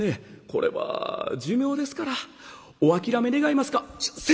これは寿命ですからお諦め願えますか」。